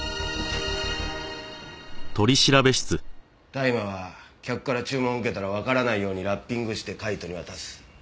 大麻は客から注文を受けたらわからないようにラッピングして海斗に渡す。